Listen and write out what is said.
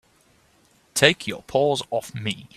Take your paws off me!